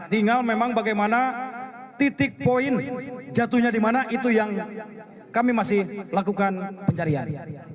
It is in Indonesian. tinggal memang bagaimana titik poin jatuhnya di mana itu yang kami masih lakukan pencarian